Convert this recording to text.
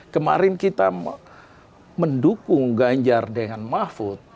kemarin kita mendukung ganjar dengan mahfud